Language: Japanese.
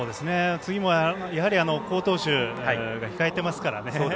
次もやはり、好投手が控えてますからね。